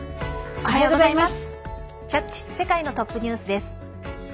おはようございます！